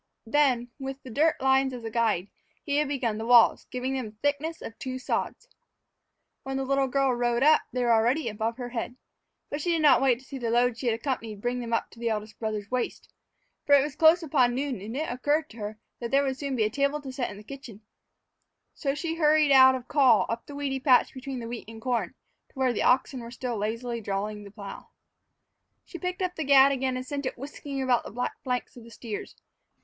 Then, with the dirt lines as a guide, he had begun the walls, giving them the thickness of two sods. When the little girl rode up they were already above her head. But she did not wait to see the load she had accompanied bring them up to the eldest brother's waist, for it was close upon noon and it occurred to her that there would soon be a table to set in the kitchen, so she hurried out of call up the weedy path between the wheat and the corn, to where the oxen were still lazily drawing the plow. She picked up the gad again and sent it whisking about the black flanks of the steers.